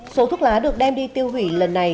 số thuốc lá được đem đi tiêu hủy lần này